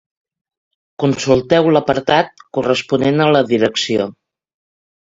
Consulteu l'apartat corresponent a la Direcció.